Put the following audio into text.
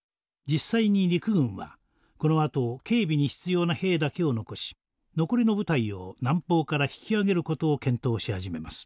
実際に陸軍はこのあと警備に必要な兵だけを残し残りの部隊を南方から引き揚げる事を検討し始めます。